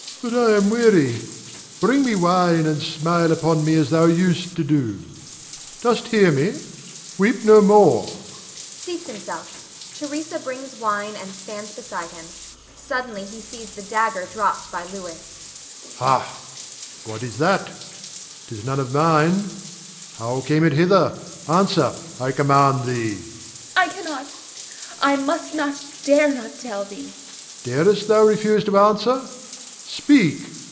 But I am weary; bring me wine, and smile upon me as thou used to do. Dost hear me? Weep no more. [Seats himself. Theresa brings wine and stands beside him. Suddenly he sees the dagger dropped by Louis.] Ha! what is that? 'Tis none of mine. How came it hither? Answer, I command thee! Theresa. I cannot. I must not, dare not tell thee. Rod. Darest thou refuse to answer? Speak!